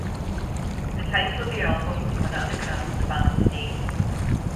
The title of the album is an anagram of the band's name.